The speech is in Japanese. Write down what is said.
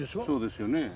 そうですよね。